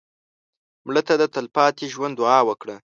مړه ته د تلپاتې ژوند دعا وکړه